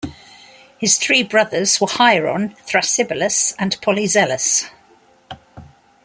His three brothers were Hieron, Thrasybulus, and Polyzelos.